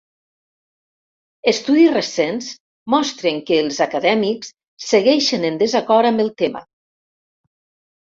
Estudis recents mostren que els acadèmics segueixen en desacord amb el tema.